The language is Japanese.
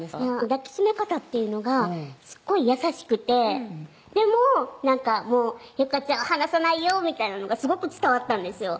抱き締め方っていうのがすごい優しくてでもなんかもう「ゆかちゃんを離さないよ」みたいなのがすごく伝わったんですよ